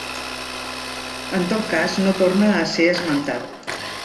En tot cas no torna a ser esmentat.